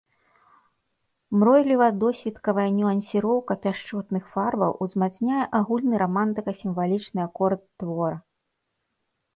Мройліва-досвіткавая нюансіроўка пяшчотных фарбаў узмацняе агульны рамантыка-сімвалічны акорд твора.